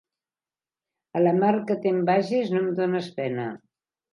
A la mar que te’n vages no em dones pena.